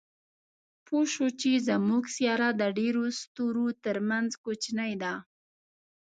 پوه شو چې زموږ سیاره د ډېرو ستورو تر منځ کوچنۍ ده.